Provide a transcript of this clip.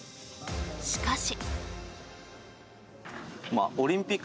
しかし。